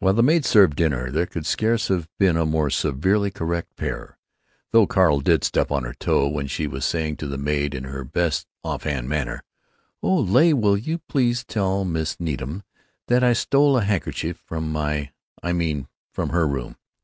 While the maid served dinner, there could scarce have been a more severely correct pair, though Carl did step on her toe when she was saying to the maid, in her best offhand manner, "Oh, Leah, will you please tell Mrs. Needham that I stole a handkerchief from my—I mean from her room?"